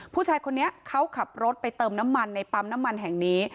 ผู้ชายคนนี้เขาขับรถไปเติมน้ำมันในปั๊มน้ำมันแห่งนี้